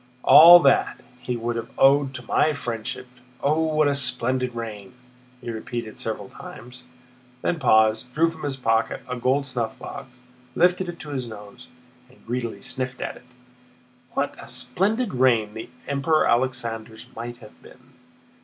"All that, he would have owed to my friendship. Oh, what a splendid reign!" he repeated several times, then paused, drew from his pocket a gold snuffbox, lifted it to his nose, and greedily sniffed at it. "What a splendid reign the Emperor Alexander's might have been!"